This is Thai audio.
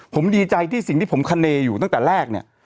ผมดีใจที่สิ่งที่ผมคาเนอยู่ตั้งแต่แรกเนี่ย